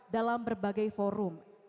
dalam berbagai forum